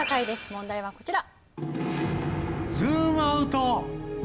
問題はこちら。